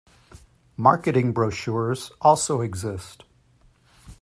Marketing brochures also exist.